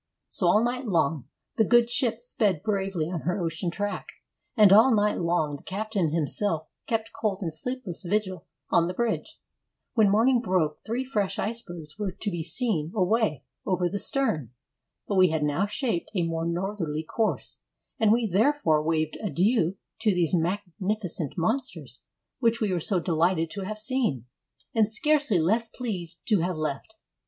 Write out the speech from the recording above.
So all night long the good ship sped bravely on her ocean track, and all night long the captain himself kept cold and sleepless vigil on the bridge. When morning broke, three fresh icebergs were to be seen away over the stern. But we had now shaped a more northerly course; and we therefore waved adieu to these magnificent monsters which we were so delighted to have seen, and scarcely less pleased to have left.